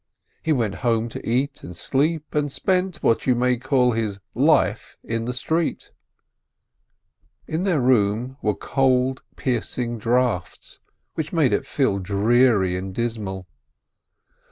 He went home to eat and sleep, and spent what you may call his "life" in the street. In their room were cold, piercing draughts, which made it feel dreary and dismal.